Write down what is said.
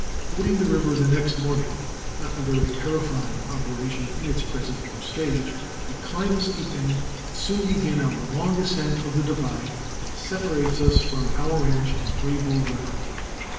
"] Fording the river the next morning, not a very terrifying operation in its present low stage, we climb the steep bank and soon begin our long ascent of the divide that separates us from our ranch and Greybull River.